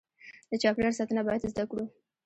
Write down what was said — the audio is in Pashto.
د چاپیریال ساتنه باید زده کړو.